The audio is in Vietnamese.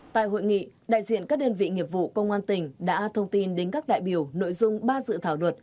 tại hội nghị đại diện các đơn vị nghiệp vụ công an tỉnh đã thông tin đến các đại biểu nội dung ba dự thảo luật